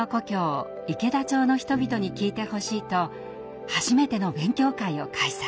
池田町の人々に聞いてほしいと初めての勉強会を開催。